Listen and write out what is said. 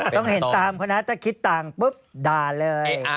ต้องเห็นตามเขานะถ้าคิดต่างปุ๊บด่าเลย